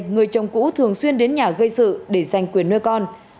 người chồng cũ thường xuyên đến nhà gây sự để giành cố